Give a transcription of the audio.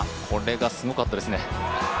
これがすごかったですね。